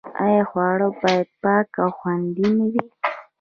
آیا خواړه باید پاک او خوندي نه وي؟